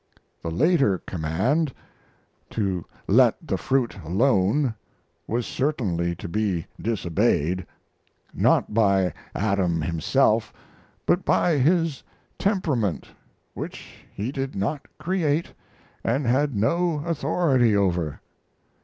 The later command, to let the fruit alone, was certain to be disobeyed. Not by Adam himself, but by his temperament which he did not create and had no authority over.